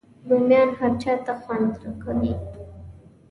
رومیان هر چاته خوند کوي